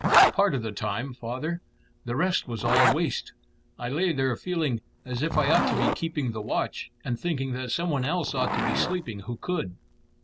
"Part of the time, father. The rest was all waste, and I lay there feeling as if I ought to be keeping the watch, and thinking that some one else ought to be sleeping who could."